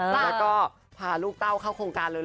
แล้วก็พาลูกเต้าเข้าโครงการเลย